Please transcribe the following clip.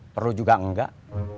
perlu juga enggak